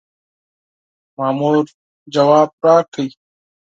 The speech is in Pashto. مامور ځواب راکړ.